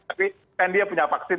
tapi kan dia punya vaksin